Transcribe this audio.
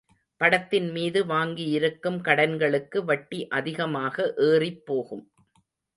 படத்தின் மீது வாங்கியிருக்கும் கடன்களுக்கு வட்டி அதிகமாக ஏறிப்போகும்.